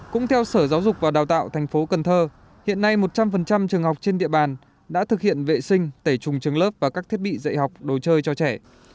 cũng theo sở giáo dục và đào tạo thành phố cần thơ hiện nay một trăm linh trường học trên địa bàn đã thực hiện vệ sinh tẩy trùng trường lớp và các thiết bị dạy học đồ chơi cho trẻ